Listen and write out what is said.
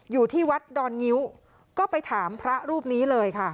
อยู่ที่วัดดอนงิ้วก็ไปถามพระรูปนี้เลยค่ะ